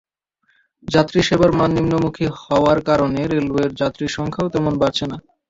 যাত্রীসেবার মান নিম্নমুখী হওয়ার কারণে রেলওয়ের যাত্রীর সংখ্যাও তেমন বাড়ছে না।